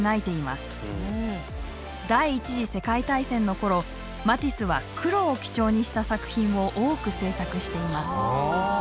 第１次世界大戦の頃マティスは「黒」を基調にした作品を多く制作しています。